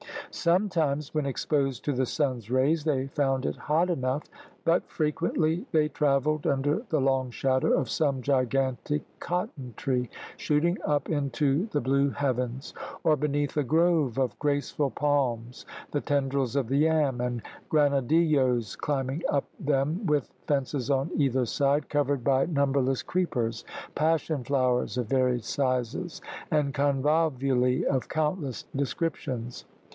Sometimes, when exposed to the sun's rays, they found it hot enough; but frequently they travelled under the long shadow of some gigantic cotton tree, shooting up into the blue heavens; or beneath a grove of graceful palms, the tendrils of the yam and granadillos climbing up them, with fences on either side, covered by numberless creepers, passion flowers of varied sizes, and convolvuli of countless descriptions.